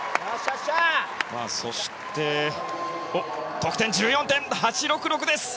得点は１４．８６６です！